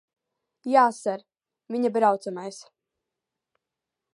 Jā, ser. Viņa braucamais.